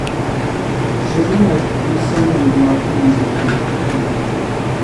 Sharing A Gibson With Martin Luther King Jr.